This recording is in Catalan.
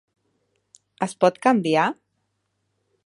Es pot canviar?